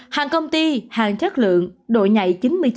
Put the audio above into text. hàng công ty hàng chất lượng độ nhạy chín mươi chín